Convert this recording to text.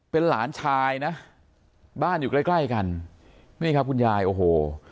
เป็นหลานชายนะบ้านอยู่ใกล้ใกล้กันนี่ครับคุณยายโอ้โห